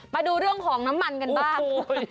มาดูเรื่องของน้ำมันกันบ้าง